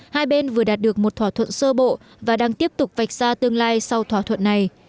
hai bên vừa đạt được một thỏa thuận sơ bộ và đang tiếp tục vạch ra tương lai sau thỏa thuận này